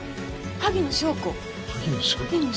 萩野翔子。